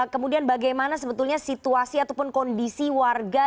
kemudian bagaimana sebetulnya situasi ataupun kondisi warga